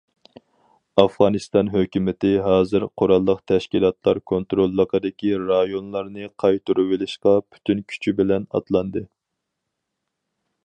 ئافغانىستان ھۆكۈمىتى ھازىر قوراللىق تەشكىلاتلار كونتروللۇقىدىكى رايونلارنى قايتۇرۇۋېلىشقا پۈتۈن كۈچى بىلەن ئاتلاندى.